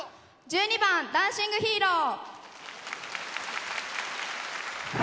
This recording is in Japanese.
１２番「ダンシング・ヒーロー」。